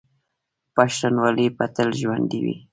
پښتونولي به تل ژوندي وي.